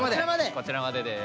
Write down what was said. こちらまでです。